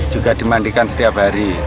juga dimandikan setiap hari